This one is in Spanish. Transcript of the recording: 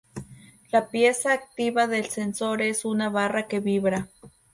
La pieza activa del sensor es una barra que vibra.